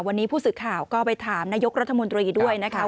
วันนี้ผู้สื่อข่าวก็ไปถามนายกรัฐมนตรีด้วยนะคะ